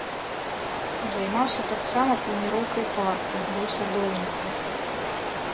Займаўся таксама планіроўкай парку, быў садоўнікам.